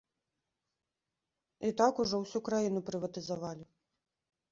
І так ужо ўсю краіну прыватызавалі.